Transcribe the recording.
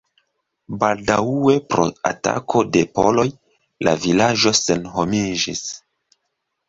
Baldaŭe pro atako de poloj la vilaĝo senhomiĝis.